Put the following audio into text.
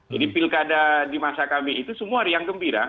jadi pilkada di masa kami itu semua riang gembira